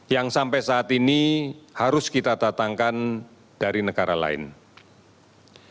yang sampai saat ini harus kita datangkan dari negara lain